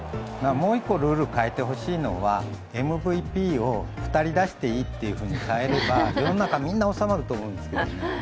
もう１個ルールを変えてほしいのは、ＭＶＰを２人出していいっていうふうに変えれば世の中、みんな収まると思うんですけどね。